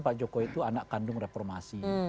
pak jokowi itu anak kandung reformasi